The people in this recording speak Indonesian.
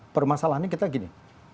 permasalahannya kita gini